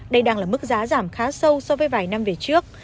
đây đang là mức giá giảm khá sâu so với vài năm về trước